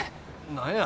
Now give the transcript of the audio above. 何や？